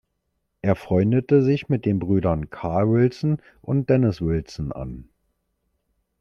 Er freundete sich mit den Brüdern Carl Wilson und Dennis Wilson an.